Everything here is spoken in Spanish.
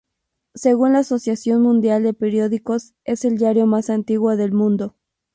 Según la Asociación Mundial de Periódicos es el diario más antiguo del mundo.